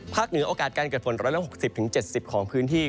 เหนือโอกาสการเกิดฝน๑๖๐๗๐ของพื้นที่